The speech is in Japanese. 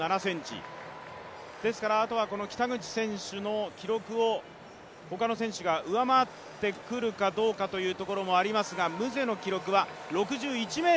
ですから、あとは北口選手の記録を他の選手が上回ってくるかどうかというのもありますがムゼの記録は６１ｍ２６ｃｍ。